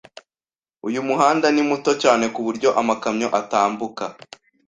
Uyu muhanda ni muto cyane kuburyo amakamyo atambuka.